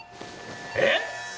えっ！？